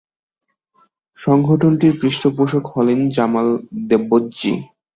সংগঠনটির পৃষ্ঠপোষক হলেন জামাল দেব্বৌজি।